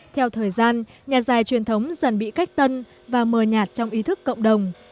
theo thời gian nhà dài truyền thống dần bị cách tân và mờ nhạt trong ý thức cộng đồng